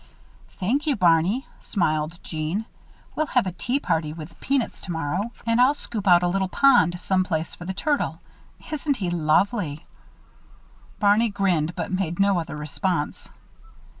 "Thank you, Barney," smiled Jeanne. "We'll have a tea party with the peanuts tomorrow and I'll scoop out a tiny pond, some place, for the turtle. Isn't he lovely!" Barney grinned, but made no other response.